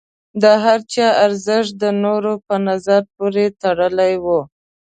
د هر چا ارزښت د نورو په نظر پورې تړلی و.